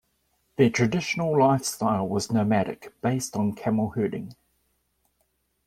Their traditional lifestyle was nomadic, based on camel herding.